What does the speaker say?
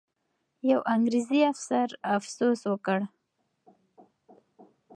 یو انګریزي افسر افسوس وکړ.